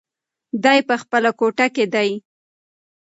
دی په خپله کوټه کې دی.